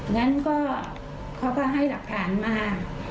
นั้นก็เขาก็ให้หลักฐานมา